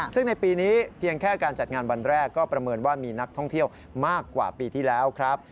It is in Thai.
ซึ่งในปีนี้เพียงแค่การจัดงานวันแรกก็ประเมินว่ามีนักท่องเที่ยวมากกว่าปีที่แล้วครับ